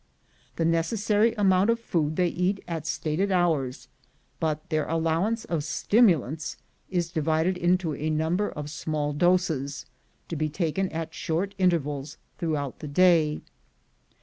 The necessary amount of food they eat at stated hours, but their allowance of stimulants is divided into a number of small doses, to be taken at short intervals throughout the day.